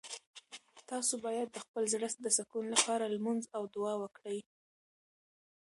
تاسو باید د خپل زړه د سکون لپاره لمونځ او دعا وکړئ.